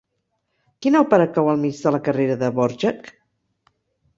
Quina òpera cau al mig de la carrera de Dvořák?